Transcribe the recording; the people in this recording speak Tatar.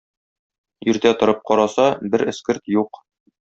Иртә торып караса, бер эскерт юк.